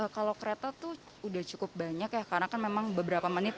kalau kereta tuh udah cukup banyak ya karena kan memang beberapa menit